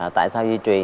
tại sao di truyền